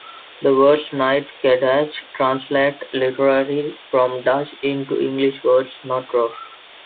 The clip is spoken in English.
The words 'niet gedacht' translate literally from Dutch into the English words, 'not thought'.